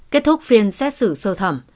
kết thúc phiên xét xử sơ thẩm